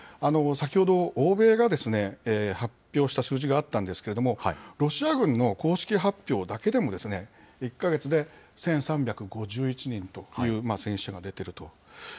先ほど、欧米が発表した数字があったんですけれども、ロシア軍の公式発表だけでも、１か月で１３５１人という戦死者が出ていると。